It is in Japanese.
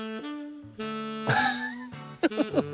フフフフ。